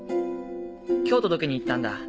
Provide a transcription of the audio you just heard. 今日届けに行ったんだ